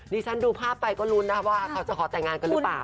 ฉันดูภาพไปก็ลุ้นนะคะว่าเขาจะขอแต่งงานกันหรือเปล่า